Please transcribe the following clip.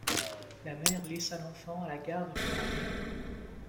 La mère laissa l'enfant à la garde du grand-père.